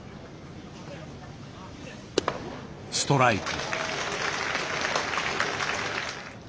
ストライク。